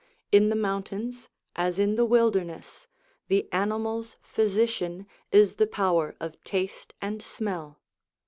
In the mountains, as in the wilderness, the animal's physician is the power of taste and smell.